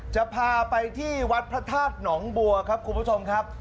จะพาไปที่วัดพระธาตุหนองบัวครับคุณผู้ชมครับ